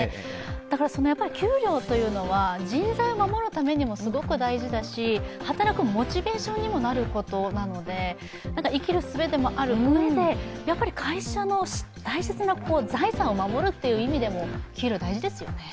だからやっぱり給料というのは人材を守るためにもすごく大事だし、働くモチベーションにもなることなので生きるすべでもあるうえで会社の大切な財産を守るという意味でも給料、大事ですよね。